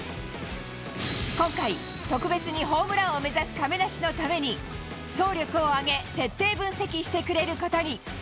今回、特別にホームランを目指す亀梨のために、総力を挙げ、徹底分析してくれることに。